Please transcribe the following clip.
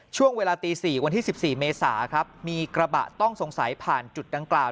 ช่วงเวลาตี๔วันที่๑๔เมษาครับมีกระบะต้องสงสัยผ่านจุดดังกล่าว